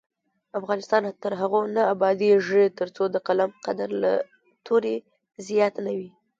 افغانستان تر هغو نه ابادیږي، ترڅو د قلم قدر له تورې زیات نه شي.